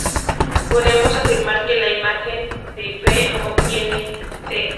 Podemos afirmar que la imagen de "F" no contiene "t".